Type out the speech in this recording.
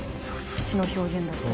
血の表現だったり。